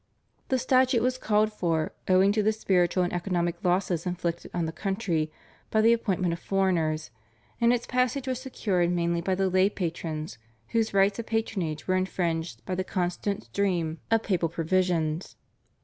The Statute was called for, owing to the spiritual and economic losses inflicted on the country by the appointment of foreigners, and its passage was secured mainly by the lay patrons, whose rights of patronage were infringed by the constant stream of papal provisions.